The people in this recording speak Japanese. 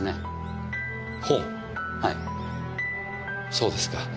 そうですか。